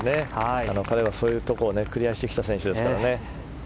彼はそういうところクリアしてきた選手ですから。